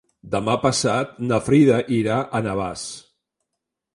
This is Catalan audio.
Demà passat na Frida irà a Navàs.